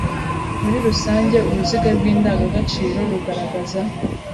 Muri rusange, uruziga rw’indangagaciro rugaragaza